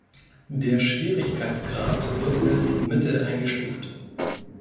Der Schwierigkeitsgrad wird als mittel eingestuft.